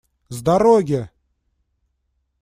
С дороги!